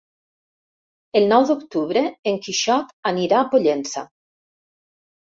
El nou d'octubre en Quixot anirà a Pollença.